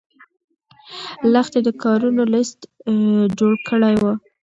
لښتې د کارونو لست جوړ کړی و.